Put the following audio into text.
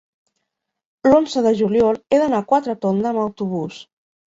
L'onze de juliol he d'anar a Quatretonda amb autobús.